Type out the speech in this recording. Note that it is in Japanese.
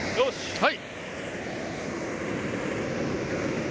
はい！